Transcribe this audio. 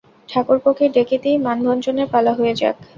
ঠাকুরপোকে ডেকে দিই, মানভঞ্জনের পালা হয়ে যাক।